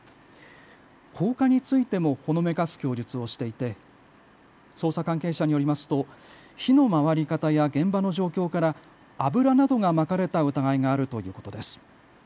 放火についてもほのめかす供述をしていて捜査関係者によりますと火の回り方や現場の状況から油などがまかれた疑いがあるということです。